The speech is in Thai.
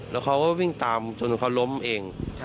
แล้วเขาก็วิ่งตามจนเขาล้มเอง